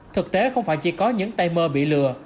thực tế không phải chỉ có những tay mơ bị lừa